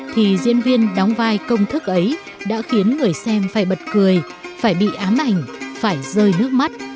thì diễn viên đóng vai công thức ấy đã khiến người xem phải bật cười phải bị ám ảnh phải rơi nước mắt